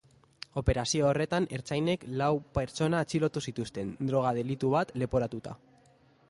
Operazio horretan, ertzainek lau pertsona atxilotu zituzten, droga delitu bat leporatuta.